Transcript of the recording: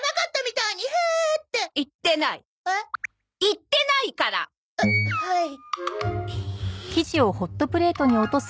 言ってないから！ははい。